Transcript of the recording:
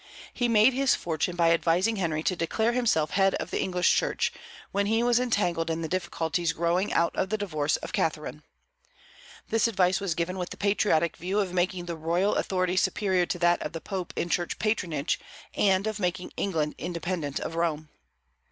He made his fortune by advising Henry to declare himself Head of the English Church, when he was entangled in the difficulties growing out of the divorce of Catharine. This advice was given with the patriotic view of making the royal authority superior to that of the Pope in Church patronage, and of making England independent of Rome.